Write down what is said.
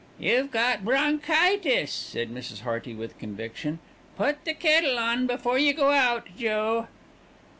"You've got bronchitis," said Mrs. Hearty with conviction. "Put the kettle on before you go out, Joe."